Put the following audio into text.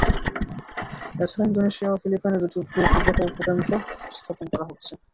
এছাড়া ইন্দোনেশিয়া ও ফিলিপাইনে দুটি ভূ-উপগ্রহ উপকেন্দ্র স্থাপন করা হচ্ছে।